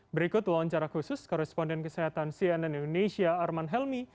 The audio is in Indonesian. berikut wawancara khusus koresponden kesehatan cnn indonesia arman helmi